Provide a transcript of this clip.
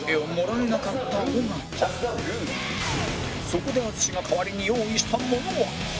そこで淳が代わりに用意したものは